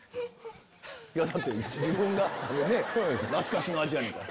いやだって自分が懐かしの味やねんから。